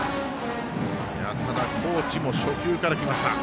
ただ、高知も初球からきました。